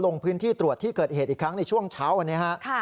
ลงพื้นที่ตรวจที่เกิดเหตุอีกครั้งในช่วงเช้าวันนี้ฮะ